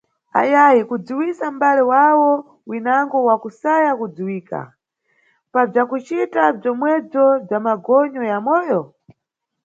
Ayayi kudziwisa mʼbale wawo winango wakusaya kudziwika, pa bzakucita bzomwebzo bza magonyo ya moyo?